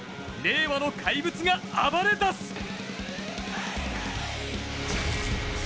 令和の怪物が暴れ出す。